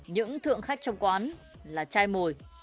những thượng khách trong quán là chai mồi